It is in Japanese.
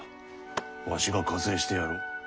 わしが加勢してやろう。